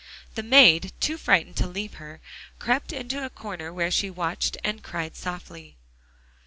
The maid, too frightened to leave her, crept into a corner where she watched and cried softly.